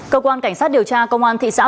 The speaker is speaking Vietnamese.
cơ quan cảnh sát điều tra công an thị xã bà nội